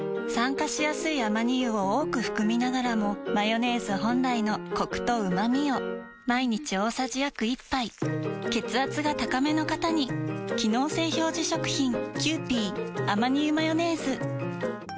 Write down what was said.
酸化しやすいアマニ油を多く含みながらもマヨネーズ本来のコクとうまみを毎日大さじ約１杯血圧が高めの方に機能性表示食品